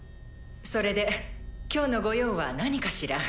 それで今日の御用は何かしら？